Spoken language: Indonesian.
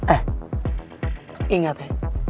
eh ingat ya